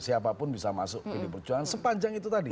siapapun bisa masuk pdi perjuangan sepanjang itu tadi